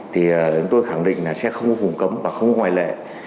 thì tôi khẳng định là sẽ không có phùng cấm và không có ngoại lệ